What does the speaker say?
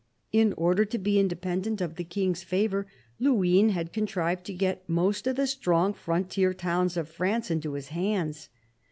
In order to be independent of the King's favour, Luynes had contrived to get most of the strong frontier towns of France into his hands.